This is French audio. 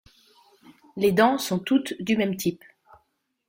Les dents sont toutes du même type.